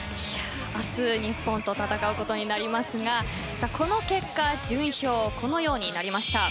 明日、日本と戦うことになりますがこの結果順位表このようになりました。